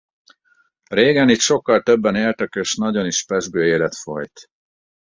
Régen itt sokkal többen éltek és nagyon is pezsgő élet folyt.